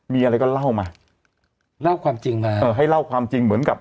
มีอะไรก็เล่ามาเล่าความจริงมาเออให้เล่าความจริงเหมือนกับ